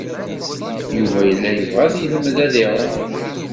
Yuba yella yebɣa ad yelmed ad iɛum.